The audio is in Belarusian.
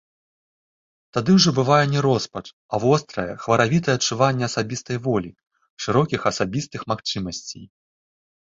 Тады ўжо бывае не роспач, а вострае, хваравітае адчуванне асабістае волі, шырокіх асабістых магчымасцей.